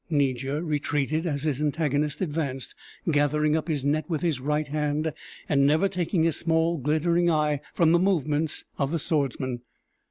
Niger retreated as his antagonist advanced, gathering up his net with his right hand and never taking his small, glittering eye from the movements of the swordsman.